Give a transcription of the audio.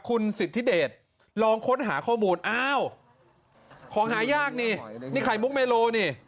คุณสิทธิเดชลองค้นหาข้อมูลอ้าวของหายากนี่นี่ไข่มุกเมโลนี่